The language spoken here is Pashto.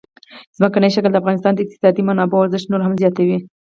ځمکنی شکل د افغانستان د اقتصادي منابعو ارزښت نور هم زیاتوي.